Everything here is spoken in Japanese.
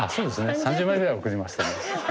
３０枚ぐらい送りましたね。